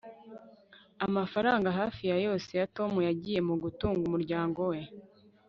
Amafaranga hafi ya yose ya Tom yagiye mu gutunga umuryango we